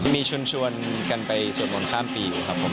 มีชวนกันไปสวดมนต์ข้ามปีอยู่ครับผม